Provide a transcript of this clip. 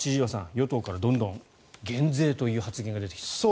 与党からどんどん減税という発言が出てきてます。